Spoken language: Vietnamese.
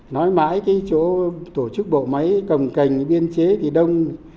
nói mãi cái chỗ tổ chức bộ máy cầm cành biên chế thì đông